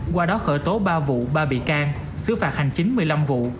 qua đó khởi tố ba vụ ba bị can xứ phạt hành chính một mươi năm vụ